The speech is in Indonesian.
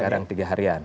sekarang tiga harian